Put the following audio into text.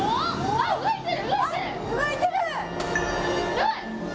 やばい！